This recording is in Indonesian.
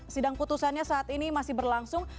sidang putusannya saat ini masih berlangsung